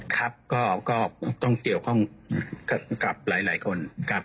ครับก็ต้องเตี่ยวกับหลายคน